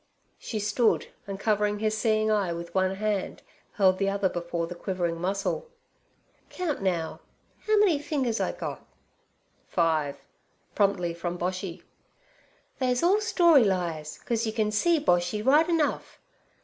She stood, and covering his seeing eye with one hand, held the other before the quivering muscle. 'Count now—how many fingers I got?' 'Five' promptly from Boshy. 'They's all story liars, 'cause yer can see, Boshy, right enough.